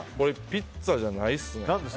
ピッツァじゃないっすね。